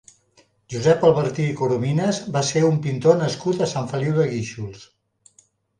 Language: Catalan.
Josep Albertí i Corominas va ser un pintor nascut a Sant Feliu de Guíxols.